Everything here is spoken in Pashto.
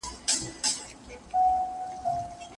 هغه زړور انسان هېڅکله د نورو په زړونو کي ډار او وېره نه اچوي.